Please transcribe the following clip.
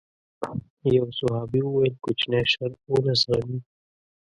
يو صحابي وويل کوچنی شر ونه زغمي.